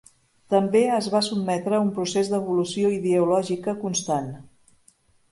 També es va sotmetre a un procés d'evolució ideològica constant.